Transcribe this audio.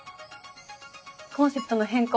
コンセプトの変更